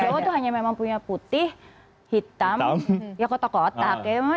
wow itu hanya memang punya putih hitam ya kotak kotak